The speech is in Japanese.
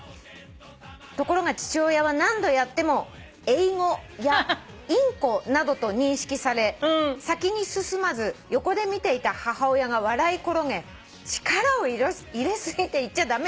「ところが父親は何度やっても『英語』や『インコ』などと認識され先に進まず横で見ていた母親が笑い転げ『力を入れすぎて言っちゃ駄目よ。